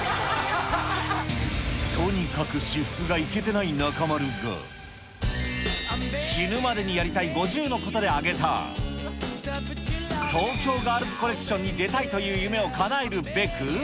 とにかく私服がイケてない中丸が、死ぬまでにやりたい５０のことで挙げた、東京ガールズコレクションに出たいという夢をかなえるべく。